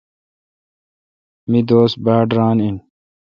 مہ دوست باڑ ران این۔